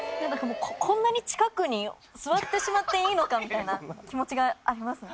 こんなに近くに座ってしまっていいのかみたいな気持ちがありますね。